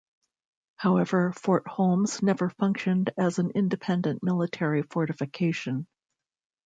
However, Fort Holmes never functioned as an independent military fortification.